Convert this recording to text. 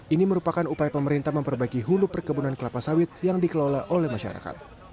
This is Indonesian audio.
ini merupakan upaya pemerintah memperbaiki hulu perkebunan kelapa sawit yang dikelola oleh masyarakat